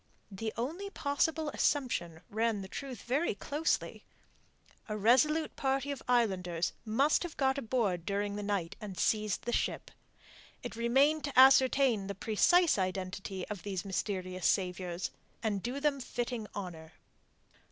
The only possible assumption ran the truth very closely. A resolute party of islanders must have got aboard during the night, and seized the ship. It remained to ascertain the precise identity of these mysterious saviours, and do them fitting honour.